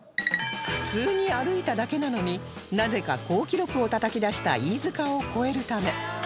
普通に歩いただけなのになぜか好記録をたたき出した飯塚を超えるため